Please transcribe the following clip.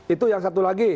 itu yang satu lagi